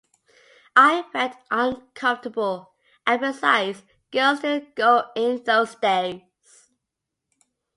I felt uncomfortable, and besides, girls didn't go in those days.